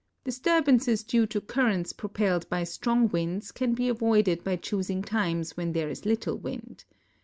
Disturbances due to currents propelled by strong winds can be avoided by choosing times when there is little wind.